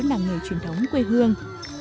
làng nghề truyền thống quê hương